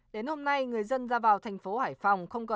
đến hôm nay người dân ra vào thành phố hải phòng